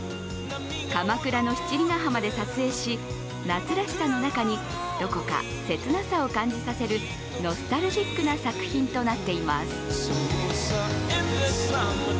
鎌倉の七里ガ浜で撮影し夏らしさの中にどこか切なさを感じさせるノスタルジックな作品となっています。